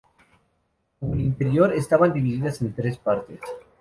Como el interior, estaban divididas en tres partes.